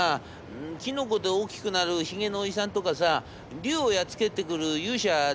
キノコで大きくなるひげのおじさんとかさ竜をやっつけてくる勇者は出てくるの？』。